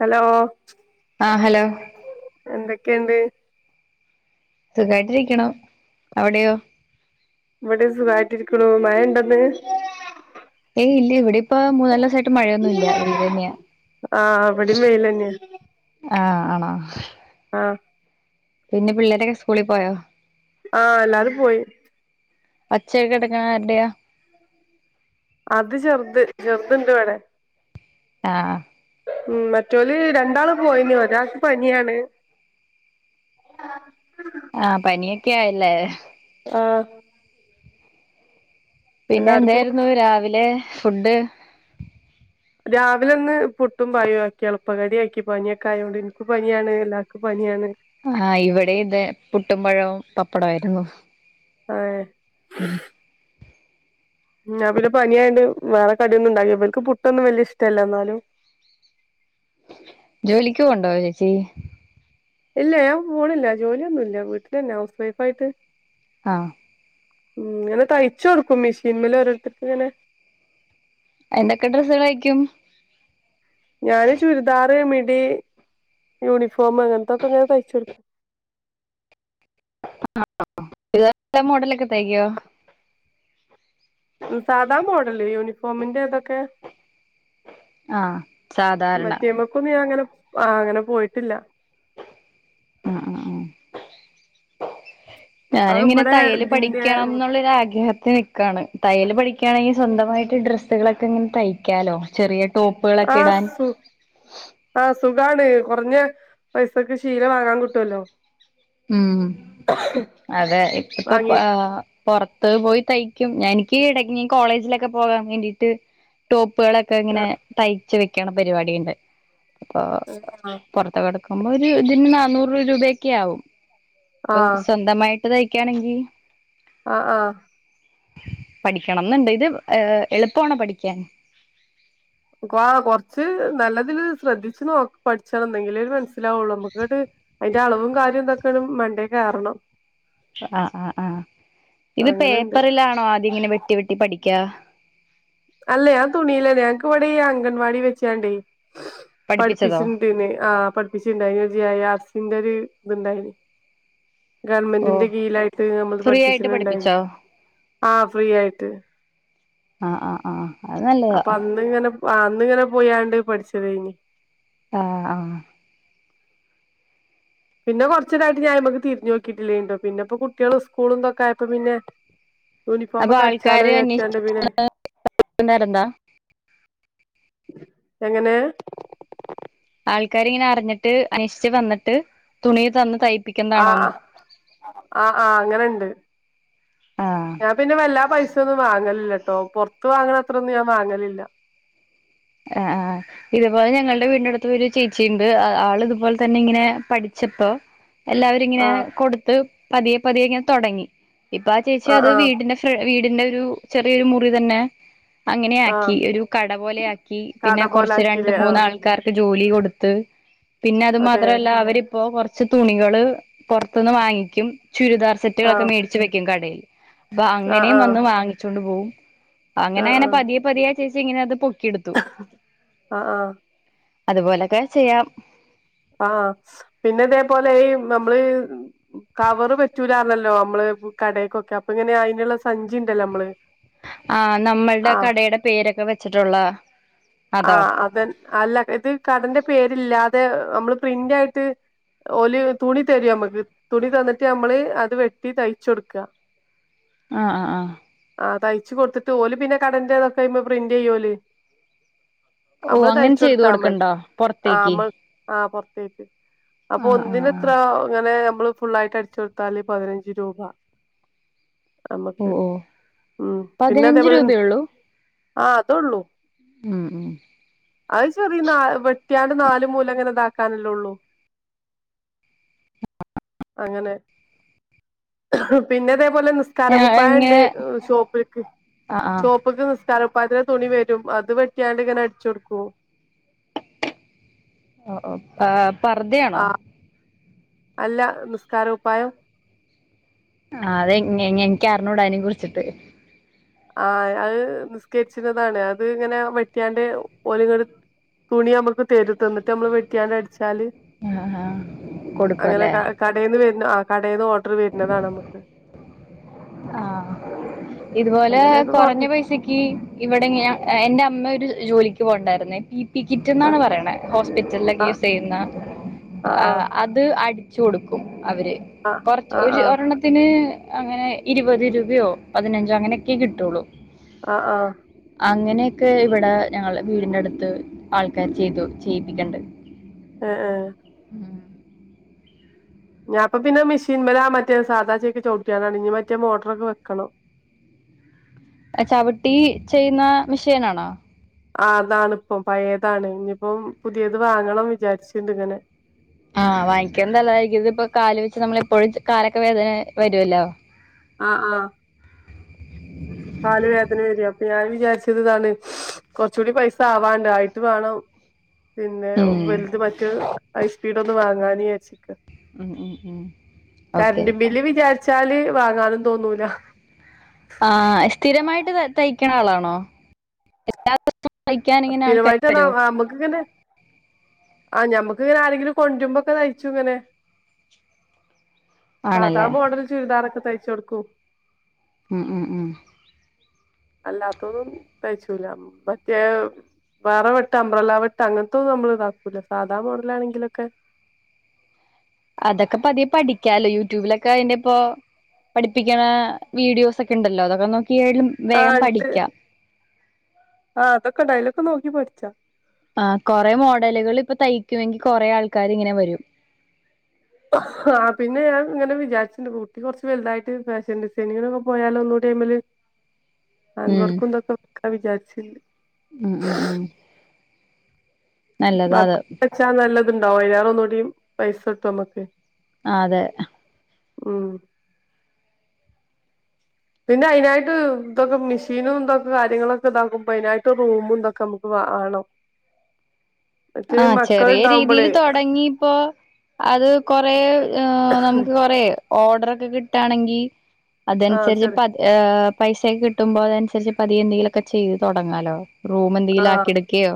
Hello ആഹ് hello എന്തെക്കെ ഇണ്ട്? സുഖായിട്ട് ഇരിക്കുണു. അവിടെയോ? ഇവിടിം സുഖമായിട്ട് ഇരിക്കുണു. മഴ ഇണ്ടോ ഇന്ന്? ഏയ് ഇല്ല ഇവിടി ഇ പ്പം മൂന്നാല് ദിവ്സായിട്ട് മഴയൊന്നും ഇല്ല വെയ്ലെന്നെയാ ആഹ് ഇവിടേം വെയിലന്നെയാ ആഹ് ആണോ? ആഹ് പിന്നെ പിള്ളേരൊക്കെ സ്കൂളി പോയോ? ആഹ് എല്ലാരും പോയി. ഒച്ചയൊക്കെ കേട്ട്ക്ക്ണ ആര്ടെയാ? അത് ചെറ്ത് ചെറ്ത് ഇണ്ട് ഇവെടെ ആഹ് ആഹ് ഉം മറ്റവല് രണ്ടാള് പോയിന്ന അത്രാക്ക് പനിയാണ് ആഹ പനിയൊക്കെ ആയില്ലേ ആഹ പിന്നെ എല്ലാർക്കും എന്തായിരുന്നു രാവിലെ ഫുഡ് രാവിലെ ഒന്ന് പുട്ടും പഴ ആക്കി എളുപ്പ കടി ആക്കി പനിയൊക്കെ ആയുകോണ്ട് എനക്ക് പനിയാണ് എല്ലാവർക്കും പനിയാണ് ആഹ് ഇവിടെ ഇത് പുട്ടും പഴവും പപ്പടയിരുന്നു ആഹ ഉ് അവല് പനിയായിണ്ട് വേറെ കടിയൊന്നുംണ്ടാക്കി ഇർക്ക് പുട്ടൊന്നും വലിയ ഇഷ്ടമല്ല എന്നാലും ജോലിക്ക ഉണ്ടാവോ ചേച്ചി ഇല്ല ഞാൻ പോണില്ല ജോലിയ ഒന്നുമ ഇല്ല വീട്ടിൽന്നെ ഹൗസ് വൈഫ് ആയിട്ട് ആഹ ഉം അങ്ങനെ തയ്ച്ചു കൊടുക്കും മെഷീൻമല ഓരുത്തർക്ക് ഇങ്ങനെ എന്തൊക്കെ ഡ്രസ്സൾ കഴിക്കും ഞാാന് ചുരിദാർ മിടി യൂണിഫോം അങ്ങനത്തൊക്കെ ഇങ്ങനെ തയ്ച്ച കൊടുക്കും ഇ നല്ല മോഡലൊക്കെ തേക്കോ സാധാ മോഡല് യൂണിഫോമിന്റെ ഇതൊക്കെ ആഹ സാധാരണ നീ അങ്ങനെ ആ അങ്ങനെ പോയിട്ടില്ല ആഹ ആ ആ ഞാനും അത് ഇങ്ങനെ ഇവിടെ തയ്യല് ഇതിന്റെ പഠിക്കണം എന്നുള്ള ആഗ്രഹത്തി നി ാണ് തയ്യൽ പഠിക്കുകയാണെങ്കിൽ സ്വന്തമായിട്ട് ഡ്രസ്സുകളൊക്കെ ഇങ്ങനെ തയ്ക്കാലോ ചെറിയ ടോപ്പുകളൊക്കെ ആശ ഇടാൻ ആഹ സുഖാണ് കുറഞ്ഞ പൈസക്ക് ശീലം വാങ്ങാൻ കിട്ടുവല്ലോ ഉം അതെ ഇപ്പൊ വാങ്ങി പുറത്ത് പോയി തയ്ക്കും ഞാ എനിക്ക് ഇടക്ക് കോളേജിലൊക്കെ പോകാൻ വേണ്ടീട്ട് ടോപ്പുകളൊക്കെ ആ ഇങ്ങനെ തയ്ച്ച് വെക്കണ പരിപാടി ഉണ്ട് അപ്പൊ ആഹ പുറത്ത കിടക്കുമ്പോൾ ഒരു ഇതിന് നന്നൂറ് രൂപയൊക്കെ ആകും ഇപ്പൊ ആ സ്വന്തമായിട്ട് തയ്ക്കാണെങ്കി ആഹ ആഹ പഠിക്കണംന്നണ്ട് ഇത് ഏ എളുപ്പണോ പഠിക്കാൻ കൊറച്ച് നല്ലതില് ശ്രദ്ധിച്ചച്ച് നോ പഠിച്ചണ എന്തെങ്കില ഒരു മനസ്സിലാവുള്ളൂ നമ്മുക്ക കേട്ട് അതിന്റെ അളവും കാര്യവും എന്തൊക്കെയാണ് മണ്ട കയറണം ആഹ ആ ആഹ് ഇത് അങ്ങനെണ്ട് പേപ്പറിലാണോ ആദ്യം ഇങ്ങനെ വെട്ടി വെട്ടി പഠിക്ക അല്ലേ തുണിയില ഞനക്ക് ഇവിടെ അംഗൻവാടി വെച്ചാണ്ടേ പഠിപ്പിച്ചതോ പഠിപ്പിച്ചിട്ടുണ്ട് ആഹ പഠിപ്പിച്ചിുണ്ടായി ജ ആസിന്റെ ഒരു ഇത്ണ്ടായിന് ഓ ഗവൺമെന്റിന്റെ കീഴായിട്ട് നമ്മൾ ഫ്രീ ആയിട്ട് പഠിപ്പിച്ചിണ്ടായിരുന്നു പഠിപ്പിച്ചോ ആ ഫ്രീ ആയിട്ട് ആ ആ ആ അപ്പൊ അന്ന് ഇങ്ങനെ അന്നിങ്ങനെ പോയാണ്ട് പഠിച്ചത് കഴിഞ് ആഹ ആ പിന്നെറച്ചരായിട്ട് ഞാൻമക്ക് തിരിഞ്ഞ നോട്ടില്ലുണ്ടോ പിന്നെപ്പ കുട്ടികും സ്കൂളുന്തൊക്കെയപ്പോ പിന്നെ അപ്പൊ യൂണിഫോമൊക്കടിച്ചലേ ആൾക്കാര് ചെലവിനെ പിന്നെ അന്വേഷിച്ചിട്ടുണ്ടായിരുന്നോ എങ്ങനെ ആൾക്കാർ ഇങ്ങനെ അറിഞ്ഞിട്ട് അനശ്ഠിച്ച് വന്നിട്ട് തുണി തന്ന് ത ആഹ് ആ ആ ആ് അങ്ങനെണ്ട് ആഹ് ഞ പിന്നെ വല്ല പൈസ ഒന്നും വാങ്ങലില്ല കേട്ടോ പുറത്ത് വാങ്ങണ അത്രൊന്നും ഞാൻ വാങ്ങലില്ല ആഹ ആഹ ഇതപോലെ ഞങ്ങളുടെ വീടിന്റെ അടുത്ത് ഒരു ചേച്ചിയ ഉണ്ട് ആൾ ഇതുപോലെ തന്നെ ഇങ്ങനെ പഠിച്ചപ്പോ എല്ലാവരും ഇങ്ങിനെ ആഹ് കൊടുത്ത് പതിയെ പതിയെ ഇങ്ങനെ തൊടങ്ങി ഇപ്പൊ ആ ചേച്ചി ആഹ് അത് ആഹ് വീടിന് ച് വീട്ന്റെ ഒരു ചെറിയ മുറി തന്നെ ആഹ് അങ്ങനെയാക്കി ഒരു കട പോലെ ആ ഈ കട പിന്നെ കൊറച്ച് രണ്ട് പോലാക്കില്ലേ ആഹ് മൂന്നാൾക്കാർക്ക് ജോലി കൊട്ത്ത് പിന്നെ അത് അതെ മാത്രവല്ല അവര് ഇപ്പോ കൊർച്ച് തുണികള് പൊർത്ത്ന്ന് വാങ്ങിക്കും ചുരിദാർ സെറ്റുകളൊക്കെ ആഹ് മേടി ച്ച് വെക്കും കടേൽ അപ്പൊ ആഹ് അങ്ങനേം ആഹ് വന്ന് വാങ്ങിച്ചാേണ്ട് പോവും ആഹ് അങ്ങനെങ്ങെനെ പതിയെ പതിയെ ചേച്ചി ഇങ്ങനത് പൊക്കി എട്ത്തു ആഹ് ആഹ് അതുപോലൊക്കെ ചെയ്യാം ആഹ് പിന്നെതേപോലെ ഈ നമ്മള് കവറ് പറ്റൂലാർഞ്ഞല്ലോ മ്മള് കടേക്കൊക്കെ അപ്പൊങ്ങന്യാ അയിന്ള്ള സഞ്ചിണ്ടല്ലാെ മ്മള് ആഹ് നമ്മൾടെ കടേടെ പേരൊക്കെ വെച്ചിട്ടുള്ള അതോ ആഹ് അതൻ അല്ല ഇത് കടന്റെ പേര്ല്ലാതെ നമ്മള് പ്രിന്റായിട്ട് ഓല് തുണി തെരും ഞമ്മക്ക് തുണി തന്നിട്ട് ഞമ്മള് അത് വെട്ടി തയ്ച്ചൊട്കാ [inaudible] ആഹ് ആഹ് ആഹ് ആഹ് തയ്ച്ച് കൊട്ത്ത്ട്ട് ഓല് പിന്നെ കടന്റേതൊക്കെയ്മെ പ്രിന്റെയ്യോല് ഓ അമ്മള് അങ്ങനെ ചെയ്തു തയ്ചൊട്ത്താമതി കൊടുക്കണ്ടോ ആഹ് പുറത്തേക്ക് മ്മൾ ആഹ് പൊർതോയിട്ട് അപ്പൊ ആ ആ ഒന്നിന് ആ ത്രോ ങ്ങെനെ അമ്മള് ഫുള്ളായിട്ട് അടിച്ചൊട്താല് പതിനഞ്ച് രൂപ ഓ അമ്മക്ക് ഓ ഉം പിന്നെ പതിനഞ്ച് അതേപോലെ രൂപയള്ളൂ ആഹ് അതൊള്ളൂ ഉം ഉം അത് ചെറീ നാ വെട്ട്യാണ്ട് നാല് മൂലങ്ങനെതാക്കാനല്ലെ ഒള്ളൂ അങ്ങനെ പിന്നെതേ പോലെ നി സ്കാര ഇങ്ങനെ കുപ്പായണ്ട് ഷോപ്പിൽക്ക് ആ ആ ഷോപ്പ്ക്ക് നിസ്കാരകുപ്പായത്തിന്റെ തുണി വെരും അത് വെ ട്ട്യാണ്ട്ങ്ങെനെ അട്ച്ചൊട്കും ഓഹ് ഓഹ് പാ പർദെയാണോ ആ അല്ല നിസ്കാര കുപ്പായം ആഹ് അത് ങ്ങെ ങ്ങെ എൻക്കർഞ്ഞൂടെ അയ്നെ കുർച്ചിട്ട് ആഹ് അത് നിസ്കര്ച്ച്ണതാണ് അത് ഇങ്ങെനെ വെട്ട്യാണ്ട് ഓല്ങ്ങെട് തുണി ഞമ്മക്ക് തരും തന്നിട്ട് നമ്മള് വെട്ട്യാണ്ട് അട്ച്ചാല് അഹ് ഹാ കൊട്ക്കുവല്ലേ കടേന്ന് വെര്ണ ആഹ് കടേന്ന് ഓഡ്ർ വെര്ണതാണമ്മക്ക് ആഹ് ഇതുപോലെ അങ്ങനെയൊക്കെ കൊറഞ്ഞ കൊറഞ്ഞ് പൈസയ് ക്കി ഇവടെങ്ങ്യ എന്റെ അമ്മ ഒര് ജോലിക്ക് പോക്ണ്ടായിര്ന്നേ പി ആ ക്കിറ്റ്ന്നാണ് പറയ്ണേ ഹോസ്പിറ്റൽലെക്കെ ആ യൂസെയ്യ്ന്ന ആ അത് അട് ച്ച് കൊട്ക്കും അവര് ആ കൊറച്ച് ആ ഒര് ഒരെണ്ണത്തിന് അങ്ങെനെ ഇരുപത് രൂപയോ പതിനഞ്ചോ അങ്ങനെക്കേ കിട്ടൊള്ളൂ അഹ് ആഹ് അങ്ങനെയെക്കെ ഇവടെ ഞങ്ങളെ വീടിന്റെ അട്ത്ത് ആൾക്കാര് ചെയ്തു ചെയ്യിപ്പിക്ക്ണ്ട് അഹ് ആഹ് ഞാപ്പ പിന്നെ മിഷീൻമലാ മറ്റേ സാധാചേക്ക് ചൗട്ട്യാണ്ടാണ് ഞ്ഞി മറ്റേ മോട്രാെക്കെ വെക്കണം എ ചവിട്ടീ ചെയ്യ്ന്നാ മിഷേനാണോ ആഹ് അതാണ്പ്പം പയേതാണ് ഇഞ്ഞിപ്പം പുത്യേത് വാങ്ങണം വിചാരിച്ണ്ട്ങ്ങെനെ ആഹ് വാങ്ങിക്ക്ണ്ത് തല്ലതായിരിക്കും ഇത് ഇപ്പൊ കാല് വെച്ച് നമ്മളെപ്പോഴും കാലൊക്കെ വേദനെ വരുവല്ലോ ആഹ് ആഹ് കാല് വേദന വെരും അപ്പൊ ഞാൻ വിചാര്ച്ചത് താണ് കൊർച്ചൂടി പൈസ ആവാണ്ട് ആയിട്ട് വാണം പിന്നെ ഉം. വൽത് മറ്റേ ഐസ്പീഡാെന്ന് വാങ്ങാന്ജാര്ച്ച്ക്കാ ഉം ഉം ഉം. ഓക്കെ. കര്ന്റും ബില്ല് വിചാര്ച്ചാല് വാങ്ങാനും തോന്നൂലാ ആഹ് സ്ഥിരമായ്ട്ട് ത തയ്ക്ണ ആളാണോ തയ്ക്കാൻ ഇങ്ങനെ ആൾക്കാര് സ്ഥിരമായിട്ട്ർഞ്ഞാ വരോ? അ അമ്മക്ക്ങ്ങെനെ ആഹ് ഞമ്മക്ക് ഇങ്ങെനെ ആരെങ്കിലും കൊണ്ട്ര്മ്പാെക്കെ തയ്ച്ചുങ്ങെനെ സാധാ ആണല്ലേ? മോഡല് ചുരിദാറൊക്കെ തയ്ച്ച് കൊട്ക്കും ഉം ഉം ഉം. അല്ലാത്തൊന്നും തയ്ചൂല മറ്റേ, വേറെവെട്ട് അംബ്രല വെട്ട് അങ്ങനത്തൊന്നും നമ്മൾ ഇതാക്കൂല്ല. സാധാണ മോഡലാണെങ്കിലൊക്കെ, അതക്കെ പതിയെ പഠിക്കാലോ. യൂട്യൂബിലൊക്കെ അയിന്റെ ഇപ്പോ. പഠിപ്പിക്കണ വീഡിയോസ് ഒക്കെ ഉണ്ടല്ലോ, അതൊക്കെ നോക്കിയാലും. ആ വേഗം ഇണ്ട്. പഠിക്കാം. ആ അതൊക്കെ ണ്ടയില് അയ്ലൊക്കെ നോക്കി പഠിച്ചാ. ആ കൊറേ മോഡലുകല് ഇപ്പ തയ്ക്കുമെങ്കിൽ കൊറേ ആൾക്കാര് ഇങ്ങനെ വരും. ആ പിന്നെ ഞാൻ ഇങ്ങനെ വിചാരിച്ചിണ്ട്, കുട്ടി കൊറച് വലുതായിട്ട് ഫാഷൻ ഡിസൈനിങ്ങൊക്കെ, പോയാലോ ഒന്നുകൂടി അയ്‌മല്. ഹാൻഡ് ഉം. വർക്കുംന്തൊക്കെ [unintelligible] വിചാരിച്ചി. ഉം ഉം ഉം. നല്ലതാ അത്. ടിച്ചാ നല്ലതുണ്ടാവും. [unintelligible] ഒന്നൂടീം പൈസ കിട്ടും നമ്മക്ക്. ആഹ് അതെ. ഉം. പിന്നെ അയ്നായിട്ട് ഇതൊക്കെ മെഷീനും ഇന്തൊക്കെ കാര്യങ്ങളൊക്കെ ഇതാക്കുമ്പ, അതിനായിട്ട് റൂമും ഇന്തൊക്കെ നമുക്ക് വേണം. [inaudible] മറ്റേ ആഹ് ചെറിയ മക്കളുണ്ടാവുമ്പോളേ രീതിയില് തൊടങ്ങിപ്പോ, അത് കൊറേ നമുക്ക് കൊറേ, ഓർഡറൊക്കെ കിട്ടാണെങ്കിൽ ആഹ് അതനുസരിച്ച് ചെറി പ ഏഹ് പൈസക്കെ കിട്ടുമ്പോ അതനുസരിച്ച് പതിയെന്തെങ്കിലും ഒക്കെ ചെയ്ത് തുടങ്ങാലോ. റൂമന്തേലും ആഹ് ആക്കി എടുക്കയോ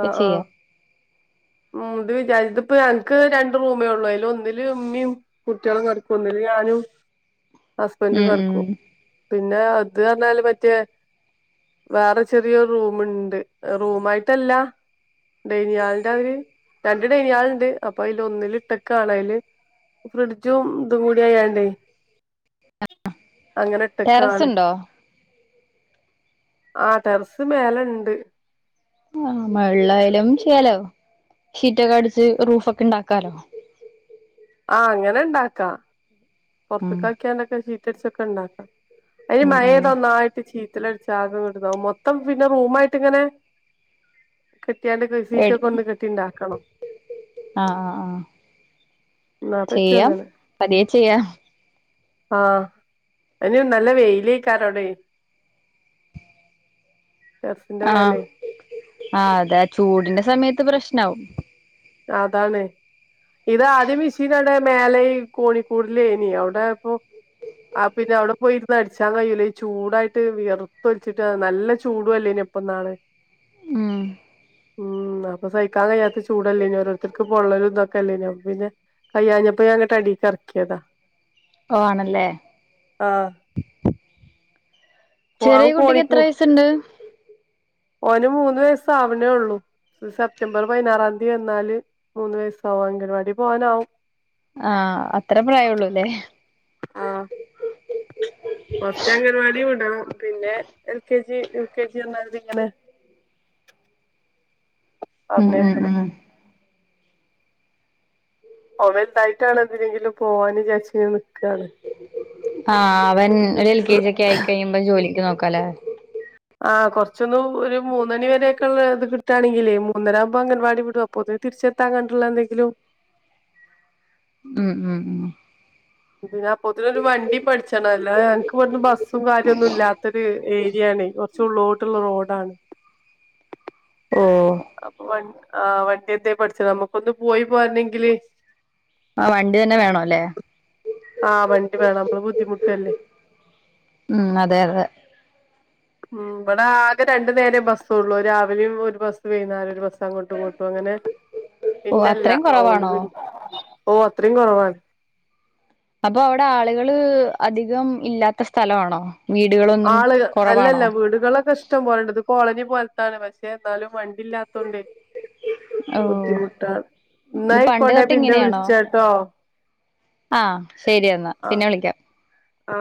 ക്കെ ആഹ് ആഹ് ചെയ്യാ. ഉം ഇത് വിചാരിച്ച ഇതിപ്പ ഞങ്ങക്ക് രണ്ട് റൂമേ ഉള്ളൂ. അയില് ഒന്നില് ഇമ്മീം, കുട്ട്യോളും കടക്കും. ഒന്നില് ഞാനും ഹസ്ബന്റും ഉം ഉം കടക്കും. പിന്നെ അത് പറഞ്ഞാല് മറ്റേ വേറെ ചെറിയ റൂമുണ്ട്. റൂമ് ആയിട്ടല്ല. ഡനിയാൾ എന്ത അവര്. രണ്ട് ഡയനിങ്ങ് ഹാളുണ്ട് അപ്പൊ അയ്ല് ഒന്നില് ഇട്ടകാണ് അയില്. ഫ്രിഡ്ജും ഇതും കൂടിയായാണ്ടേ. അങ്ങനെ ഇട്ടകാണ്. ടെറസുണ്ടോ ആഹ് ടെറസ് മേലേണ്ട്. ആ വെള്ളായാലും ചേലോ. ഷീറ്റൊക്കെ അടിച്ച് റൂഫ് ഒക്കെ ഉണ്ടാക്കാലോ. ആഹ് അങ്ങനെ ഉണ്ടാക്കാം. ഉം പൊറത്തക് ആക്കിയാണ്ടൊക്കെ ഷിറ്റടിച്ചൊക്കെ ഉണ്ടാക്കാം. അതിന് ഉം ഉം മഴതൊന്നായിട്ട് ചീറ്റ ത്തിലടിച്ചാകെങ്ങാട്ട് ഇതാകും. മൊത്തം പിന്നെ റൂമായിട്ടിങ്ങനെ, കെട്ടിയാണ്ട്ക്കെ എട് സിറ്റൊക്കെ ഒന്ന് കെട്ടിണ്ടാക്കണം. ആഹ് ആഹ് ആഹ് എന്നാ ചെയ്യാം പറ്റുംങ്ങനെ. പതിയെ ചെയ്യാ. ആഹ് അയിന് നല്ല വെയിലേക്കാരോടെ. [inaudible] ആഹ് മേലെ ആ അതാ ചൂടിന്റെ സമയത്ത് പ്രശ്നാവും. അതാണ്. ഇത് ആദ്യം മിഷീൻ അടെ മേലെയി കോഴിക്കൂടിലേനി അവിടെ ഇപ്പൊ. ആ പിന്നെ അവിടെ പോയിർന്ന് അടിച്ചാൻ കയൂലാ. ഈ ചൂടായിട്ട് വിയർത്തു ഒലിച്ചിട്ട് നല്ല ചൂ ടും അല്ലേനോ പ്പനാള്. ഉം ഉം അപ്പൊ സഹിക്കാൻ കയ്യാതാ ചൂട്. [unintelligible] ഓരോരുത്തർക്ക് പൊള്ള ഇന്നൊക്കെ അല്ലയ്ന്നോ. പിന്നെ കയ്യാഞ്ഞപ്പോ ഞാനിങട്ട് അടിക എറക്കിയതാ. [unintelligible] ണല്ലേ. ആഹ് അവൻ ചെറിയ കുട്ടിക്ക് എത്ര കോണിക്കൂ വയസ്സുണ്ട്? ഓന് മൂന്ന് വയസ്സാവണേ ഉള്ളൂ. സെപ്റ്റംബർ പതിനാറാംതി, വന്നാല് മൂന്ന് വയസാവും. അംഗൻവാടി പോകാനാവും. ആ അത്രേം പ്രായള്ളൂല്ലേ. ആഹ് കൊർച് അംഗൻവാടിവിടണം പിന്നെ L K G U K G എന്നതിരിങ്ങനെ [inaudible] അ അ അഹ് ഓ വെലതായിട്ടാണം ന്തിനെങ്കിലും പോവാന് വിചാരിച്ചിങ്ങനെ ആഹ് വൻ ഒരു എൽ കെ ജി ഒക്കെ ആയിക്കഴിയുമ്പ ജോലിക്ക് നോക്കാല്ലേ. ആഹ് കുറച്ചൊന്ന് ഒരു മൂന്നണി വരെയൊക്കെ ഉള്ളത് കിട്ടുകണെങ്കിലേ മൂന്നര ആകുമ്പോ അംഗൻവാടി വിടും. പ്പോതിന് തിരിചെത്താൻ കണ്ടുള്ള ന്തെങ്കിലും ഉം ഉം പിന്നെ അപ്പത്തിനൊരു വണ്ടി പഠിച്ചണം ല്ല ഞങ്ങക്ക് ബസ്സും കാര്യം ഒന്നും ഇല്ലാത്തൊരു ഏര്യ ആണ് ഉള്ളോട്ടുള്ള റോഡാണ് ഓ അപ്പൊ വൺആ വണ്ടിന്തെ പഠിച്ചണം നമുക്കൊന്ന് പോയി പോരണങ്കില് ആ വണ്ടി തന്നെ വേണൊ ല്ലേ ആ വണ്ടി വേണം നമ്മള് ബുദ്ധിമുട്ട്ല്ലേ അ അതെ തെ ഉ ബടെ ആകെ രണ്ടു നേരെ ബസ്സൊ ള്ളു രാവിലിം ഒരു ബസ്സ് വൈന്നേരൊ രു ബസ്സ് അങ്ങോട്ടു ഇങ്ങട്ടും അങ്ങനെ ഓ പിന്നല്ല. അത്രയും കുറവാണോ ഓ അത്രീം കൊറവാ. അപ്പൊ അവടെ ആളുകള് അധികം ഇല്ലാത്ത സ്ഥലണോ ആള് അല്ലല്ല വീടുകളൊക്കെ ഇഷ്ടം പോലണ്ട് ത് കോളനി പോലത്താണ് പക്ഷെ എന്നാലും വ ഇല്ലാത്തോണ്ടെ ഓ ബുദ്ധിമുട്ടാണ്. ന്നാ ഇത് പണ്ട് യ്ക്കോട്ട ഞാ തൊട്ട് പിന്നെവിളിച്ചാ ട്ടോ ആഹ ശരി എന്നാ പിന്നെ വിളിക്കാം ആ